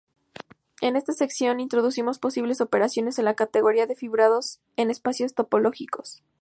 En esta sección introducimos posibles operaciones en la categoría de fibrados en espacios topológicos.